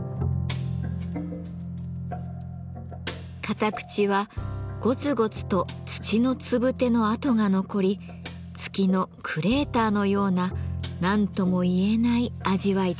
片口はごつごつと土のつぶてのあとが残り月のクレーターのような何とも言えない味わいです。